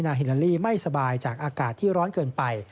ฮิลาลีไม่สบายจากอากาศที่ร้อนเกินไป